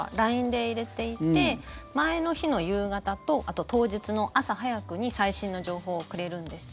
ＬＩＮＥで入れていて前の日の夕方と当日の朝早くに最新の情報をくれるんです。